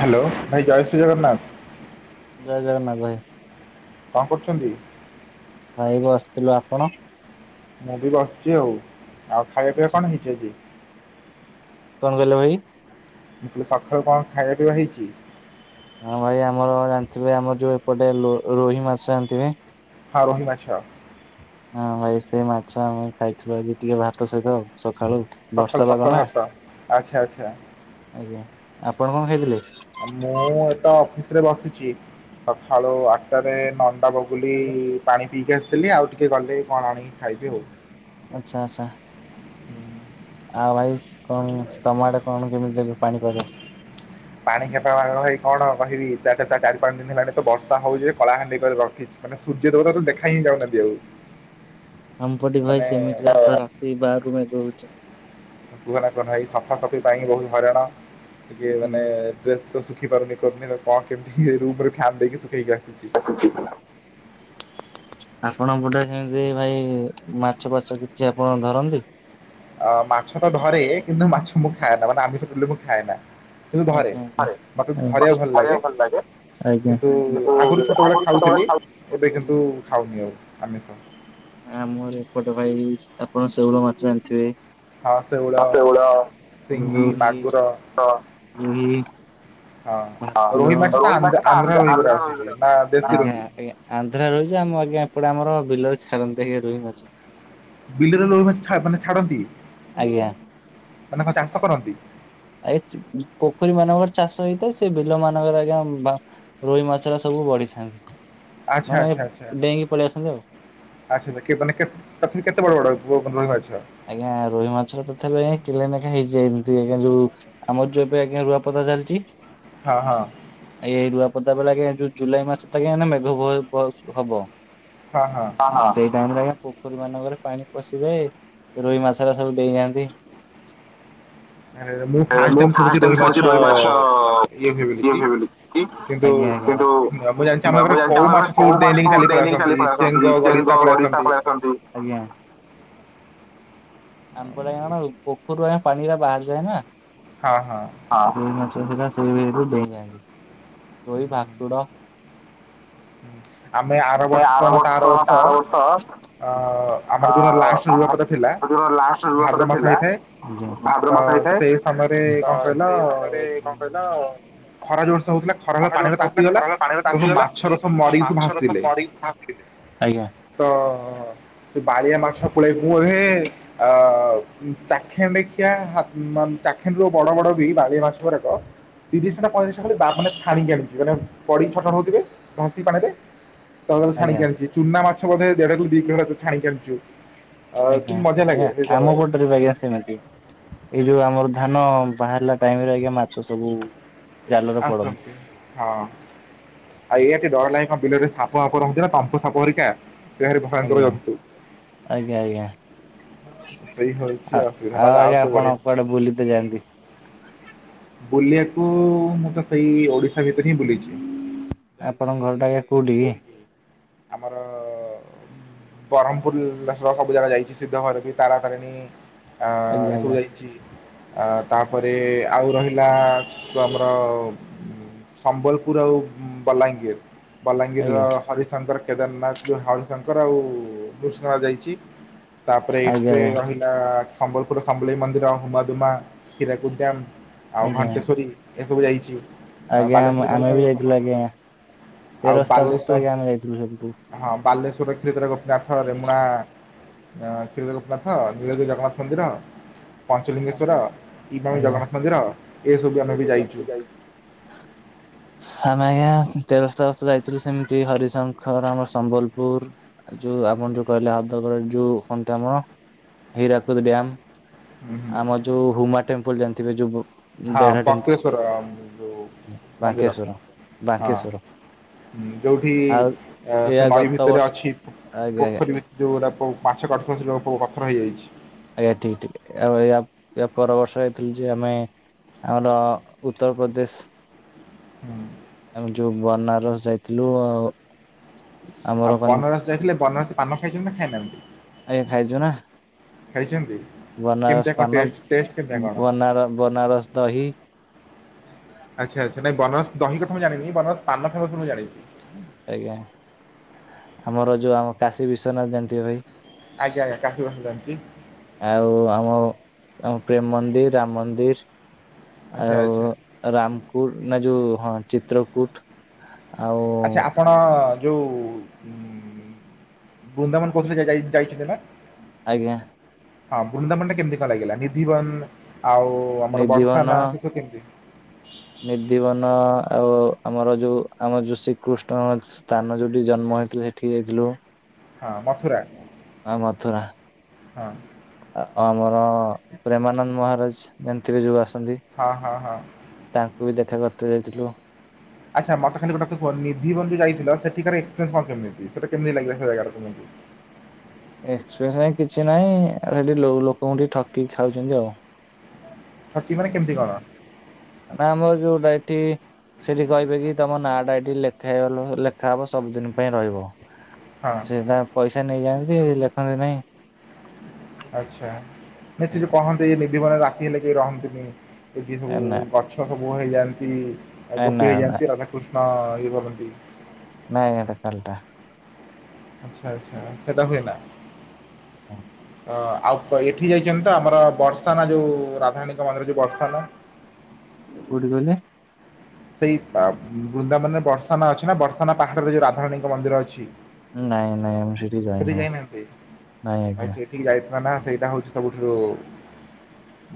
Hello ଭାଇ ଜୟ ଶ୍ରୀ ଜଗନ୍ନାଥ। ଜୟ ଜଗନ୍ନାଥ ଭାଇ। କଣ କରୁଛନ୍ତି। ଭାଇ ବସିଥିଲୁ ଆପଣ। ମୁଁ ବି ବସିଛି ଆଉ। ଆଉ ଖାଇବା ପିଇବା ଆଛା କଣ ହେଇଛି ଆଜି। କଣ କହିଲ ଭାଇ। ସକାଳୁ କଣ ଖାଇବା ପିଇବା ହେଇଛି। ହଁ ଭାଇ ଆମର ଜାଣିଥିବେ ଆମର ଯୋଉ ଏପଟେ ରୋହି ମାଛ ଜାଣିଥିବେ। ହଁ, ରୋହିମାଛ। ହଁ, ଭାଇ ସେ ମାଛ ଆମେ ଖାଇଥିଲୁ ଆଜି ଟିକେ ଭାତ ସହିତ ସକାଳୁ। ବର୍ଷା ସଖାଳୁ ପାଗ ନା। ପାଖଳଭାତ ଆଛା, ଆଚ୍ଛା। ଆଜ୍ଞା ଆପଣ କଣ ଖାଇଥିଲେ। ମୁଁ ଏତ ଅଫିସ ରେ ବସିଛି ସକାଳୁ ଆଠ ଟାରେ, ନଅ ଟାରୁ। ପାଣି ପିଇକି ଆସିଥିଲି ଆଉ ଟିକେ ଗଲେ କଣ ଆଣିକି ଖାଇବି ଆଉ। ଆଛା, ଆଚ୍ଛା। ଆଉ ଭାଇ କଣ ତମ ଆଡେ କଣ କେମିତି ଚାଲିଛି ପାଣି ପାଗ। ପାଣି ପାଗ କଣ ଭାଇ କହିବି ଚାରି ପାଞ୍ଚ ଦିନ ହେଲାଣି ତ ବର୍ଷା ହଉଛି କଳାହାଣ୍ଡି କରି ରଖିଛି। ମାନେ ସୂର୍ଯ୍ୟ ଦେବତା ତ ଦେଖା ହିଁ ଯାଉନାହାନ୍ତି ଆଉ। ଆମ ପଟେ ଭାଇ ମାନେ ସେମିତିରେ ରାତି ବାରରୁ ମେଘ ହୁଉଛି। କୁହନା କୁହନା ଏଇ ସଫା ସଫି ପାଇଁ ବହୁତ ହଇରାଣ ଟିକେ ମାନେ। ଆଜ୍ଞା। ଡ୍ରେସ ତ ଶୁଖି ପାରୁନି କରୁନି କଣ କେମିତି ଇଏ ରୁମ ରେ ଫ୍ୟାନ ଦେଇକି ଶୁଖେଇକି ଆ ଆ ଖୁସି ତ [inaudible] ଆପଣ ଗୋଟେ ସେମିତି ଭାଇ ମାଛ ଫାଛ କିଛି ଆପଣ ଧରନ୍ତି। ଅ, ମାଛ ତ ଧରେ କିନ୍ତୁ ମାଛ ମୁଁ ଖାଏନା ମାନେ ଆମିଷ ମୁଁ ଖାଏ ନା କିନ୍ତୁ ଧରେ ଆଜ୍ଞା ଆଜ୍ଞା ମତେ ଧରିବା ଆଜ୍ଞା। ଭଲ ଲାଗେ ଖାଇବାକୁ ଆଜ୍ଞା। କିନ୍ତୁ ଆଗରୁ ଛୋଟ ବଳେ ଛୋଟବେଳେ ଖାଉଥିଲି। ଖାଉ ଏବେ ଆଜ୍ଞା କିନ୍ତୁ ଖାାଉନି ଆଉ ଆମିଷ ଆମର ଏପଟ ଭାଇ ଆପଣ ଶେଉଳ ମାଛ ଜାଣିଥିବେ। ଅ, ଶେଉଳ, ସିଙ୍ଗି ରୋହି, ମାଗୁର ରୁହି ହଁ ରୋହି ତ ରୋହୀ ମାଛ ଆନ୍ଧ୍ର ଗୁରା ରୋହି ଗୁରା ଆନ୍ଧ୍ରା ରୋହୀ। ଆସୁଛି ନା ଦେଶୀ ରୋହି। [unintelligible] ଆନ୍ଧ୍ରା ରୋହୀ ଯେ ଆମ ଆଜ୍ଞ ଏପଟେ ଆମର ବିଲରେ ଛାଡନ୍ତି ରୋହୀ ମାଛ। ବିଲରେ ରୋହୀ ମାଛ ଛା ମାନେ ଛାଡନ୍ତି। ଆଜ୍ଞା ମାନେ କଣ ଚାଷ କରନ୍ତି ଆ ପୋଖରୀ ମାନଙ୍କର ଚାଷ ହେଇଥାଏ ସେ ବିଲ ମାନଙ୍କର ଆଜ୍ଞା ରୋହି ମାଛ ଗୁରା ସବୁ ବଢିଥାନ୍ତି ଆଚ୍ଛା ମାନେ ଆଚ୍ଛା ଆଚ୍ଛା। ଡେଇଁକି ପଳେଇ ଆସନ୍ତି ଆଉ। ଆଚ୍ଛା ମାନେ ତଥାପି କେତେ ବଡ ବଡ ରୋହି ମାଛ। ଆଜ୍ଞା ରୋହି ମାଛ ତଥାପି କିଲେ ନେଖା ହେଇଯାଏ ଏମିତି ଆଜ୍ଞା ଯୋଉ। ଆମର ଯୋଉ ଏବେ ଆଜ୍ଞା ରୁଆପକା ଚାଲିଛି। ହଁ, ହଁ। ଏଇ ଏଇ ରୁଆପଦା ବେଳେ ଆଜ୍ଞା ଯୋଉ ଜୁଲାଇ ମାସ ତାେ ମେଘ ହବ। ହଁ, ହଁ। ହଁ ହଁ ସେଇ ଟାଇମ ରେ ଆଜ୍ଞା ପୋଖରୀ ମାନଙ୍କରେ ପାଣି ପଶି ଯାଏ। ରୋହି ମାଛ ଗୁରା ସବୁ ଡେଇଁ ଯାଆନ୍ତି। [inaudible] ମୁଁ ଫାଷ୍ଟ ଟାଇମ ଶୁଣୁଛି ରୋହି ମାଛ ଇଏ ହୁଏ ବୋଲି। ଆଜ୍ଞା, କିନ୍ତୁ ଆଜ୍ଞା କିନ୍ତୁ ମୁଁ ଜାଣିଛି ଆମ ଘରେ ବାୁବୁ ଜାଣିଛି କୋଉ ଆମ ମାଛ ପାରେ ସବୁ କୋଉ ଡେଇଁ ଡେଇଁ ମାଛ ଚାଲି ପଳେଇ ଦେଇ ଦେଇ ଆସନ୍ତି ଚାଲିପାରେ। ଚେଙ୍ଗ ଚେଙ୍ଗ, ପଳେଇ ଗଡିଶା, ଆସନ୍ତି। ପାଳି ଆସନ୍ତୁ, [inaudible] ଆଜ୍ଞା। ଆମ ପଟେ କଣ ପୋଖରରୁ ପାଣି ଗୁରା ବାହାରିଯାଏ ନା ହଁ, ହଁ। ହଁ, ରୋହୀ ମାଛ ହେରିକା ସେଇ ଇଏରୁ ଡେଇଁଯାଆନ୍ତି। ରୋହୀ ଭାକୁର ହୁଁ। ଆମେ ଆର ବର୍ଷ ନା ତା ଆର ବର୍ଷ ଅ ଅ ଆମର ଯୋଉ ଦିନ ଲାଷ୍ଟ ଆମ ରୁଆ ପୋତା ଥିଲା। ଯୋଉ ଦିନ ଲାଷ୍ଟ ରୁଆ ଭାଦ୍ର ପୋତା ମାସ ଥିଲା ହେଇଥାଏ ଆଜ୍ଞା ତ ଭାଦ୍ରବ ମାସ ହେଇଥାଏ, ସେଇ ସମୟରେ କଣ ତ କହିଲ ସେ ଉଁ, ସମୟରେ କଣ କହିଲ ଖରା ଜୋର ସେ ହଉଥିଲା ଖରା ର ପାଣିରେ ଜୋରସେ ହଉଥିଲା ତାତିଗଲା ଖରାରେ ପାଣିରେ ତ ତାତିଗଲା ମାଛର ସବ ତ ମରିକି ସବୁ ମାଛ ଗୁଡା ଭାସିଲେ ମରିକି ଭାଷିଲେ। ତ ବାଲିଆ ମାଛ ପିଳେଇ ପ ହେ ଅ ଚାଖେଣ୍ଡେ ଖିଆ ଚାଖେଣ୍ଡରୁ ବଡ ବଡ ବି ବାଲିଆ ମାଛ ଗୁରା କ ତିରିଶ ଟା ନା ପଇଁତିରିଶଟା ଖାଲି ବା ମାନେ ଛାଣିକି ଆଣିଛି ମାନେ ପଡି ଛଟ ପଟ ହେଉଥିବେ ଭାଷିକି ପାଣିରେ। [unintelligible] ଆଜ୍ଞା ଛାଣିକି ଆଣିଛି ଚୁନା ମାଛ ବୋଧେ ଦେଢ କିଲୋ ଦି କିଲ ଖଣ୍ଡେ ଛାଣିକି ଆଣିଚୁ - ଆଜ୍ଞା ଆଜ୍ଞା ଆମ ପଟରେ ବି ଆଜ୍ଞା ସେମିତି। ଏଇ ଯୋଉ ଆମର ଧାନ ବାହାରିଲା ଟାଇମ ରେ ଆଜ୍ଞା ମାଛ ସବୁ ଜାଲରେ ପଡନ୍ତି। ଆସନ୍ତି। ହଁ ଆଉ ଏଇଆକି ଡର ଲାଗେ କଣ ବିଲରେ ସାପ ଫାପ ରହୁଛି ନା ତମ୍ପ ସାପ ହେରିକା। ସେ ଭାରି ଭୟଙ୍କର ଆଜ୍ଞା ଜନ୍ତୁ। ଆଜ୍ଞା ଆଜ୍ଞା ସେଇ ହଉଛି ଆଉ ଅସୁବିଧା ନହେଲେ ଆଉ ଆଜ୍ଞା ସବୁ ବଢିଆ ଆପଣ କୁଆଡେ ବୁଲି ତେ ଯାଆନ୍ତି? ବୁଲିଆକୁ ମୁଁ ତ ସେଇ ଓଡିଶା ଭିତରେ ହିଁ ବୁଲିଚି। ଆପଣଙ୍କ ଯାଇଛି ଘରଟା ଆଜ୍ଞା କୋଉଠି କି? କୋଉଠିକି ଆମର ବ୍ରରମ୍ପପୁଲ୍ ସବୁ ଜାଗା ଯାଇଚି ସିଦ୍ଧ ଭୈରବୀ ତାରା ତାରେଣୀ ଅ ଆଜ୍ଞା ଏସବୁ ଆଜ୍ଞା ଯାଇଚି ଅ ତାପରେ ଆଉ ରହି ଲା [unintelligible] ଆମର ସମ୍ବଲପୁର ଆଉ ବଲାଙ୍ଗୀର- ଆଜ୍ଞା। ବଲାଙ୍ଗୀରର ହରିଶଙ୍କର କେଦାରନାଥ ଯୋଉ ହରିଶଙ୍କର ଆଉ ନୃସିଂହରା ଯାଇଚି। ତାପରେ ଏଇଟ୍ ଆଜ୍ଞା ରେ ଆଜ୍ଞା ରହିଲା ସମ୍ବଲପୁର ସମ୍ବଲେଇ ମନ୍ଦିର ହୁମାଦୁମା ହୀରାକୁଦ ଡ଼୍ୟାମ - ଆଉ ଆଜ୍ଞା ଘଣ୍ଟେଶ୍ଵରୀ ଏସବୁ ଯାଇଚି। ଆ ଆଜ୍ଞା ଆମ ବାଲେଶ୍ଵର ଗଲା ଆମେ ବି ଆଉ ଯାଇଥିଲୁ ସମ୍ବଲପୁର ଆଜ୍ଞା ଗଲା ଆଉ ତେରସ୍ତା ବସ୍ତା ବାଲେଶ୍ଵର ଆଜ୍ଞା ଆମେ ଯାଇଥିଲୁ ସେଠୁ ହଁ ବାଲେଶ୍ୱରରେ କ୍ଷୀରଚୋରା ଗୋପୀନାଥ ରେମୁଣା ହଁ କ୍ଷୀରଚରା ଗୋପୀନାଥ, ନୀଳଗିରି ଜଗନ୍ନାଥ ମନ୍ଦିର, ପାଞ୍ଚଲିିଙ୍ଗେଶ୍ଵର କି ବାହୁ ଜଗନ୍ନାଥ ମନ୍ଦିର। ବି ଆମେ ବି ଏସବୁ ଯାଇଛୁ। [unintelligible] ଯାଇଚି। [inaudible] ଆମେ ଆଜ୍ଞା ତେରସ୍ତା ବର୍ଷ ଯାଇଥିଲୁ ସେମିତି ହରିଶଙ୍କର ଆମର ସମ୍ବଲପୁର। ଯୋଉ ଆପଣ ଯୋଉ କହିଲେ ହଦଗଡ ଯୋଉ କଣ ତ ଆମର ହୀରାକୁଦ ଡ୍ୟାମ। ହୁଁ ହୁଁ ଆମ ଯୋଉ ହୁମା ଟେମ୍ପଲ ଜାଣିଥିବେ ଯୋଉ ବୁ ହଁ ବକ୍ରେଶ୍ୱର ଯୋଉ ମନ୍ଦିର ବାଙ୍କେଶ୍ଵର ହଁ। ବାଙ୍କେଶ୍ଵର ହୁଁ ଯୋଉଠି ଆଉ ସେ ଏହା ନଈ ଗତ ଭିତରେ ବର୍ଷ ଅଛି ଆଜ୍ଞା ଆଜ୍ଞା ପୋଖରୀ ଭିତ - ଯେଉଁଗୁଡ଼ା ପ ମାଛ କାଟୁଥିବ ସେ ଲୋକ ପ ପଥର ହେଇଯାଇଛି। ଆଜ୍ଞା ଠିକ ଠିକ ଆଉ ୟା ୟା ପର ବର୍ଷ ଯାଇଥିଲୁ ଯେ ଆମେ ଆମର ଉତ୍ତରପ୍ରଦେଶ ହୁଁ। ଆମେ ଯୋଉ ବନାରସ୍ ଯାଇଥିଲୁ ଆଉ ଆଉ ବନାରସ ଯାଇଥିଲେ ବନରସୀ ପାନ ଖାଇଛନ୍ତି ନା ଖାଇନାହାନ୍ତି? ଆଜ୍ଞା ଖାଇଚୁ ନା। ଖାଇଚନ୍ତି? ବନାରସ ପାନ ଉ ଉ ବନାର ବନାରସ ଦହି ଆଚ୍ଛା ଆଚ୍ଛା ନାଇଁ ବନାରସ ଦହି କଥା ମୁଁ ଜାଣିନି ବନାରସ ପାନ ଫେମସ ମୁଁ ଜାଣିଚି। ଆଜ୍ଞା, ଆମର ଯୋଉ ଆମ କାଶୀ ବିଶ୍ଵନାଥ ଜାଣିଥିବେ ଭାଇ? ଆଜ୍ଞା ଆଜ୍ଞା କାଶୀବି [unintelligible] ଯାଣିଚି। ଆଉ ଆମ ଆମ ପ୍ରେମ ମନ୍ଦିର, ରାମ ମନ୍ଦିର ଆଚ୍ଛା ଆଚ୍ଛା ଆଉ ରାମକୁଟ ନା ଯୋଉ ହଁ ଚିତ୍ରକୁଟ- ଆଉ ଆଚ୍ଛା ଆପଣ ଯୋଉ ଉଁ ବୃନ୍ଦାବନ କହୁଥିଲେ ଯା ଯାଇଛନ୍ତି ନା? ଆଜ୍ଞା। ହଁ ବୃନ୍ଦାବନ ଟା କେମିତି କଣ ଲାଗିଲା ନିଧିବନ ଆଉ ଆମର ନିଧିବନ ବର୍ସାନା ସେ ସବୁ କେମିତି? ନିଧିବନ ଆଉ ଆମର ଯୋଉ ଆମର ଯୋଉ ଶ୍ରୀକୃଷ୍ଣ ସ୍ଥାନ ଯୋଉଠି ଜନ୍ମ ହେଇଥିଲେ ସେଠିକି ଯାଇଥିଲୁ। ହଁ ମଥୁରା। ଆଉ ମଥୁରା ହଁ ଆଉ ଆମର ପ୍ରେମାନନ୍ଦ ମହାରାଜ ଜାଣିଥିବେ ଯୋଉ ଆସନ୍ତି? ହଁ ହଁ ହଁ। ତାଙ୍କୁ ବି ଦେଖା କରିତେ ଯାଇଥିଲୁ। ଆଚ୍ଛା, ମତେ ଖାଲି ଗୋଟେ କଥା କହ ନିଧି ଘର ଯେଉ ଯାଇଥିଲ ସେଠରିନ୍ସ କଣ କେମତି ସେଟା କେମିତି ଲାଗିଲ ସେ ଜାଗା ତକୁ ଏକ୍ସପିରିନ୍ସ କିଛି ନାହିଁ ଆ ସେଠି ଲୋକଙ୍କୁ ଟିକେ ଠକିକି ଖାଉଚନ୍ତି ଆଉ। ଠକି ମାନେ କେମିତି କଣ? ନା ଆମର ଯୋଉଟା ଏଠି ସେଠି କହିବେ କି ତମ ନାଟା ଏଇଠି ଲେଖା ଲେଖାହବ ସବୁଦିନ ପାଇଁ ରହିବ। ହଁ ସେଟା ପଇସା ନେଇଯାଆନ୍ତି ଲେଖନ୍ତି ନାଇଁ ଆଛା, ନ ସେ ଯୋଉ କହନ୍ତେ ଏ ନିଧିବନରେ ରାତି ହେଲେ କେହି ରହନ୍ତୁନି ଏ ଯି ନା ସବୁ ଛ ସବୁ ହେଇଯାଆନ୍ତି ନା ଗୋପୀ ନା। ହେଇଯାଆନ୍ତି ରାଧାକୃଷ୍ଣ ଇଏ କରନ୍ତି। ନାଇଁ ଏଇଟ କଲଟା ଆଚ୍ଛା ଆଚ୍ଛା ସେଟା ହୁଏନା। ହଁ। ଅ ଆଉ ଏଠି ଯାଇଚନ୍ତି ତ ଆମର ବର୍ଷାନ ଯୋଉ ରାଧାୟଣୀଙ୍କ ମନ୍ଦିର ଯୋଉ ବର୍ଷାଟା। କୋଉଠି କହିଲେ? ସେଇବା ବୃନ୍ଦାବନରେ ବର୍ଷାନା ଅଛି ନା ବର୍ଷାନା ପାହାଡରେ ଯୋଉ ରାଧାରାଣୀଙ୍କ ମନ୍ଦିର ଅଛି। ନାଇଁ ନାଇଁ ଆମେ ସେଠି ଯାଇନୁ ନାଇଁ ଆଜ୍ଞା। ଠିକ ଯାଇଥିଲା ନା ସେଇଟା ହଉଛି ସବୁଠାରୁ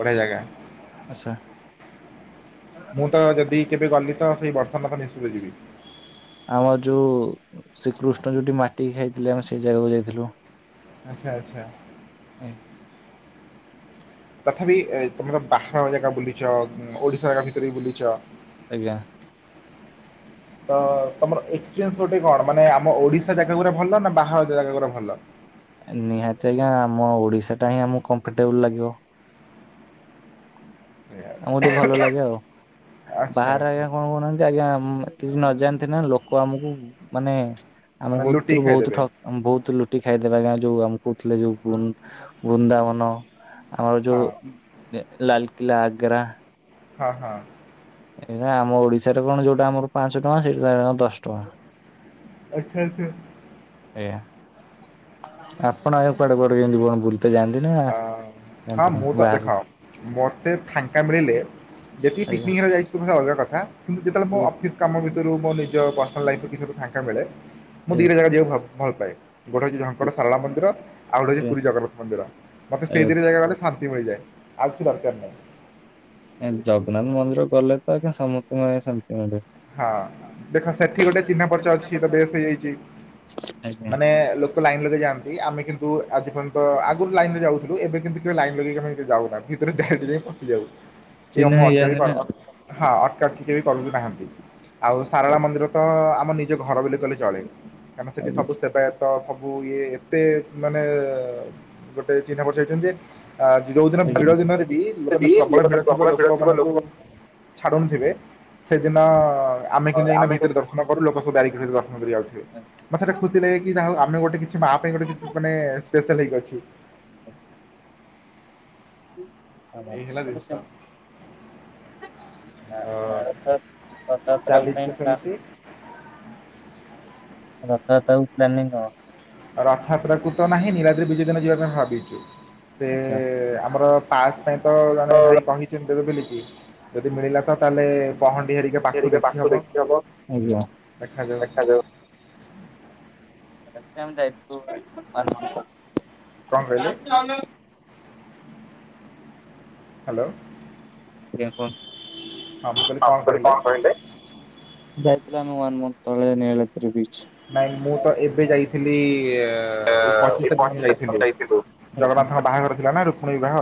ବଢିଆ ଜାଗା। ଆଚ୍ଛା। ମୁଁ ତ ଯଦି କେବେ ଗଲି ତ ସେଇ ବର୍ଷ ନ ତ ନିଶ୍ଚିତ ଯିବି। ଆମର ଯୋଉ ଶ୍ରୀକୃଷ୍ଣ ଯୋଉଠି ମାଟି ଖାଇଥିଲେ ଆମେ ସେଇ ଜାଗାକୁ ଯାଇଥିଲୁ। ଆଛା ଆଚ୍ଛା। ତଥାପି ତମର ପାହାର ଜାଗା ବୁଲିଚ ଓଡିଶା ଜାଗା ଭିତରେ ବି ବୁଲିଚ। ଆଜ୍ଞା। ତ ତମର ଏକ୍ସପିରିଏନ୍ସ ଗୋଟେ କଣ? ମାନେ ଆମ ଓଡିଶା ଜାଗା ଗୁଡା ଭଲ ନା ବାହାର ଜାଗା ଗୁଡା ଭଲ? ନିହାତି ଆଜ୍ଞା, ଆମ ଓଡିଶା ଟା ହିଁ ଆମକୁ କମ୍ଫର୍ଟେବୁଲ ଲାଗିବ। ଏଇଆ। ଆମୋକୁ ଟିକେ ଭଲ ଲାଗେ ଆଉ ଆଚ୍ଛା ବାହାରେ ଆଚ୍ଛା ଆଜ୍ଞା କଣ କହୁନାହାନ୍ତି? ଆଜ୍ଞା, କିଛି ନଯାଣିନ୍ତି ନା ଲୋକ ଆମକୁ ମାନେ ମାନେ ଲୁଟିକି ଆମକୁରୁ ବହୁତ ଖାଇଦେବେ ଠକ ବହୁତ ଲୁଟି ଖାଇଦେବା ଆଜ୍ଞା ଯୋଉ ଆମେ କହୁଥିଲେ ଯୋଉ ବୃନ୍ଦାବନ- - ଆମର ଯୋଉ ହଁ ଲାଲକିଲ୍ଲା ଆଗ୍ରା ହଁ ହଁ। ଏଇ ଆମ ଓଡିଶାରେ କଣ ଯୋଉଟା ଆମର ପାଞ୍ଚ ଟଙ୍କା ସେଇଟା ଦଶ ଟଙ୍କା। ଆଛା ଆଚ୍ଛା। ଆଜ୍ଞା, ଆପଣ ଆଉ କୁଆଡେ କୁଆଡେ ଯେମିତି ବଣ ବୁଲ ତ ଜାନ୍ତିି ନା? ଅ ହଁ ଯାଆନ୍ତିନି ମୁଁ ତ ବାହାରୁ? ଦେଖ ମତେ ଫାଙ୍କା ମିଳିଲେ ଯେତିି ଆଜ୍ଞା ପିକନିକ ରେ ଯାଇଚି। ଅଲଗା କଥା କିନ୍ତୁ ଯେତେବେଳେ ମୁ ଆଜ୍ଞା ଅଫିସ୍ କାମ ମୋ ନିଜ ପର୍ସନାଲ ଲାଇଫରେ ଫାଙ୍କା ମିଳେ ମୁଁ ଆଜ୍ଞା ଦିଟା ଜାଗା ଯିବାକୁ ଭଲ ପାାଏ। ଗୋଟେ ହଉଚି ଝଙ୍କଟ ସାରଳା ମନ୍ଦିର ଆଉ ଗୋଟେ ହଉଚି ଆଜ୍ଞା ପୁରୀ ଜଗନ୍ନାଥ ମନ୍ଦିର। ମତେ ଆଜ୍ଞା। ସେଇଦିଟା ଜାଗା ଗଲେ ଶାନ୍ତି ମିଳିଯାଏ ଆଉ କିଛି ଦରକାର ନାହିଁ। ଜଗନ୍ନାଥ ମନ୍ଦିର ଗଲେ ତ ସମସ୍ତେଙ୍କୁ ଶାନ୍ତି ମିଳେ। ହଁ ଦେଖ ସେଠି ଗୋଟେ ଚିହ୍ନ ପରିଚୟ ଅଛି ଏଇଟା ବେଶ ହେଇଯାଇଚି ଆଜ୍ଞା। ମାନେ ଲୋ ଲାଇନ ଲଗେଇ ଯାଆନ୍ତି ଆମେ କିନ୍ତୁ ଆଜି ପର୍ଯ୍ୟନ୍ତ ଆଗରୁ ଲାଇନ ରେ ଯାଉଥିଲୁ ଏବେ କିନ୍ତୁ କେ ଲାଇନ ଲଗେଇକ ଆମ ଯାଉନାହୁଁ। ଭିତରେ ଯାଇ ପଶିଯାଉ। ଟି ଚିହ୍ନା ମୁଁ ଅଟା ବି ହେଇଯାଆନ୍ତି ନା ହଁ ଅଟକା ଟିକେ ବି କରୁନାହାନ୍ତି। ଆଉ ସାରଳା ମନ୍ଦିର ତ ଆମ ନିଜ ଘର ବୋଲି କହିଲ ଚଳେ କାରଁକନା ସେଠି ଆଜ୍ଞା। ସବୁ ସେବାୟତ ତ ସବୁ ଇଏ ଏତେ ମାନେ ଗୋଟେ ଚିହ୍ନା ପରିଚୟ ହେଇଚନ୍ତି ଯେ ଆ ଯୋଉ ଦିନ ଆଜ୍ଞା। ଭିଡ ଦିନରେ ବି ଜଗନ୍ନାଥ ପ୍ରବଳ ଭିଡ ଥିବ ଲୋକ ମାନଙ୍କୁ ଛାଡୁନଥିବେ। ସେଦିନ ଆମେ କିନ୍ତୁ ଯାଇକିନା ଭିତରେ ଦର୍ଶନ କରୁ ଲୋକଙ୍କୁ ବାରେଇକିରି ରହୁଁ। ଆଡେଇ ଯାଉଥିବେ ମତେ ତ ଖୁସି ଲାଗେ କି ଯାହା ହୋଉ ଆମେ ଗୋଟେ କିଛି ମାଁ ପାଇଁ ଗୋଟେ କିଛି ମାନେ ସ୍ପେଶାଲ ହେଇକି ଅଛୁ। ଆହାଃ ଏଇ ହେଲା ଜିନିଷ ଗୋଟେ ତ ସେ ଆ ଆ ରଥଯାତ୍ରା ରଥଯାତ୍ରା ଚାଲିଛି ପାଇଁ ତା ସେମିତି ରଥଯାତ୍ରା କୁ ପ୍ରାନିଂ କଣ। ରଥଯାତ୍ରା କୁ ତ ନାହିଁ ନିଳାଦ୍ରୀ ବିଜେ ଦିନ ଯିବା ପାଇଁ ଭାବିଚି। ସେ ଆଚ୍ଛା। ଆମର ପାସ୍ ପାଇଁ ତ ଜଣେ ଭାଇ କହିଚନ୍ତି ଦେବେ ବୋଲିକି ଯଦି ମିଳିଲା ତ ତାହେଲେ ପହଣ୍ଡି ହେରିକି ପାଖୁରୁ ହେରିକା ପାଖରୁ ଦେଖିହବ ଦେଖି ହବ ଆଜ୍ଞା। ଦେଖାଯାଉ। କଣ କହିଲେ? [unintelligible] ହାଲୋ। ଗେଣ୍ଟ୍ ହଁ ମୁଁ ବନ୍ଦ କହିଲି ଆପଣ କାଲି କଣ କହିଲେ? ଯାଇଥିଲୁ ଆମେ ୱାନ୍ ମନ୍ଥ ତଳେ ନୀଳଗିରି ବିଚ୍। ନାଇଁ ମୁଁ ତ ଏବେ ଯାଇଥିଲି। ହଁ ଏଇ ଆଉ ପଚିଶି ତାରିଖ ମେ ପଚିଶ ଆମେ ଯାଇଥିଲୁ ଆଚ୍ଛା ଜଗନ୍ନାଥଙ୍କ ଆଜ୍ଞା ବାହାଘର ଥିଲା ନା ରୁକ୍ମଣୀ ବିବାହ।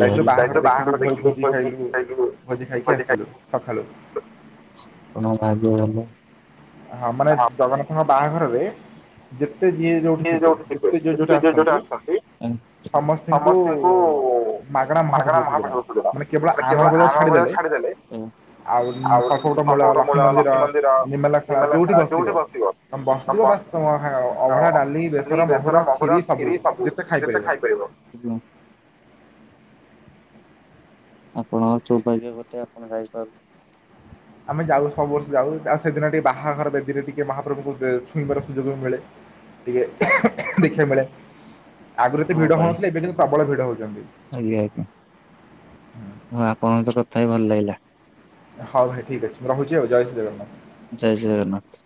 ଯାଇଥିଲୁ ବାହାଘର ଦେଖିଲୁ ଭୋ ଭୋଜି ଖାଇଲୁ ଭୋଜି ଖାଇକି ଆସଥିଲୁ ସଖାଳୁ। କଣ ଭାଗ୍ୟ ହେଲେ। ହଁ ମାନେ ଜଗନ୍ନାଥଙ୍କ ବାହାଘରରେ ଯେତେ ଯିଏ ଯୋଉଠି ଥିବେ ଯେତେ ଯିଏ ଯୋଉଠି ଆସନ୍ତି ସମସ୍ତି ଙ୍କୁ ସମସ୍ତଙ୍କୁ ମାଗଣା ମହାପ୍ରସାଦ ସେବନ ମାନେ କେବଳ ଆନନ୍ଦ ବଜାର ଛାଡିଦେଲେ। ଆଉ କଳ୍ପବଟ ମୂଳ ଲକ୍ଷ୍ମୀ ମନ୍ଦିର ନିର୍ମାଲ୍ୟ ଖୋଳା ଯୋଉଠି ବସିବ ତମେ ବସିବ ବାସ୍ ତମ ହା ଅଭଢା, ଡାଲି, ବେସର, ମହୁର, କ୍ଷୀରି ସବୁ ଯେତେ ଖାଇପାରିବ। [unintelligible] ଆପଣଙ୍କ ର ଚଉଭାଗ୍ୟ ଗୋଟେ ଆପଣ ଯାଇପାରୁ ଆମେ ଯାଉ ସବୁ ବର୍ଷ ଯାଉ ଆଉ ସେଦିନ ଟିକେ ବାହାଘର ବେଦୀରେ ଟିକେ ମହାପ୍ରଭୁଙ୍କୁ ଛୁଇଁବାର ସୁଯୋଗ ମିଳେ। [unintelligible] ଟିକେ ଦେଖିବାକୁ ମିଳେ ଆଗରୁ ଏତେ ହଉ ଭିଡ ଭାଇ ହଉନଥିଲେ ଏବେ କିନ୍ତୁ ପ୍ରବଳ ଭିଡ ହଉଚନ୍ତି। ଆଜ୍ଞା ଆଜ୍ଞା। ହଁ ଆପଣଙ୍କ ସହ କଥା ହେଇ ଭଲ ଲାଗିଲା। ହଁ ଭାଇ ଠିକ୍ ଅଛି ମୁଁ ରଖୁଚି ଆଉ ଜୟଶ୍ରୀ ଜଗନ୍ନାଥ। ଜୟ ଜଗନ୍ନାଥ।